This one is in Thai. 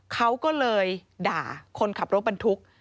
เขาก็เลยด่าคนขับรถบรรทุก